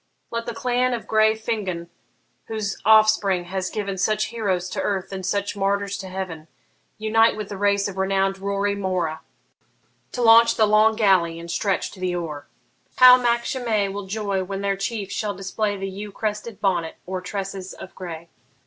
Let the clan of grey Fingon, whose offspring has given Such heroes to earth and such martyrs to heaven, Unite with the race of renown'd Rorri More, To launch the long galley and stretch to the oar. How Mac Shimei will joy when their chief shall display The yew crested bonnet o'er tresses of grey!